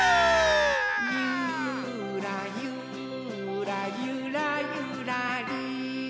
「ゆーらゆーらゆらゆらりー」